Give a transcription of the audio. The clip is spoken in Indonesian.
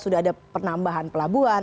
sudah ada penambahan pelabuhan